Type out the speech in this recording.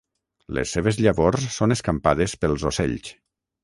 Les seves llavors són escampades pels ocells.